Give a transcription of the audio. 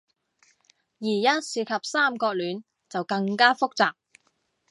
而一涉及三角戀，就更加複雜